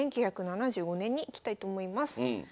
１９７５年にいきたいと思います。